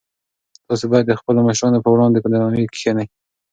تاسي باید د خپلو مشرانو په وړاندې په درناوي کښېنئ.